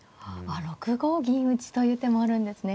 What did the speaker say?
６五銀打という手もあるんですね。